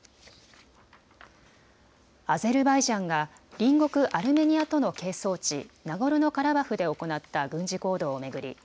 アゼルバイジャンが隣国アルメニアとの係争地、ナゴルノカラバフで行った軍事行動を巡り